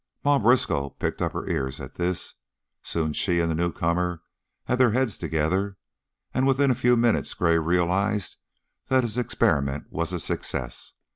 Ma Briskow pricked up her ears at this, soon she and the newcomer had their heads together, and within a few minutes Gray realized that his experiment was a success.